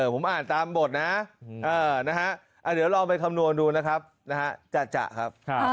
ผมอ่านตามบทนะเดี๋ยวลองไปคำนวณดูนะครับจะครับ